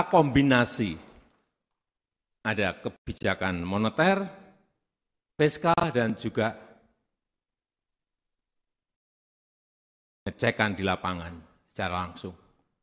kita kombinasi ada kebijakan moneter peska dan juga ngecekkan di lapangan secara langsung